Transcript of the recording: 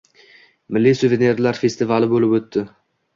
“Milliy suvenirlar” festivali bӯlib ӯtding